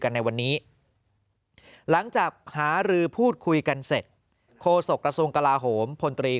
ในวันนี้หลังจากหารือพูดคุยกันเสร็จโฆษกระทรวงกลาโหมพลตรี